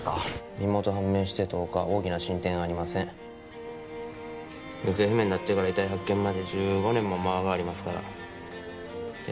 身元判明して１０日大きな進展ありません行方不明になってから遺体発見まで１５年も間がありますからてか